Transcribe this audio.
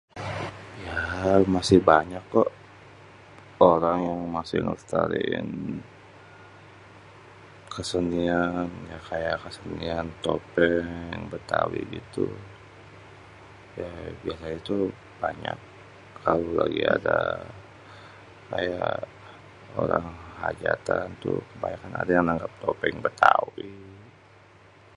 ya maasih banyak ko orang masih méléstariin kesenian, ya kaya kesenian topeng betawi gitu, ya itu banyak kalo lagi ada kaya orang hajatan tuh, kebanyakan ada yang nanggép topeng betawi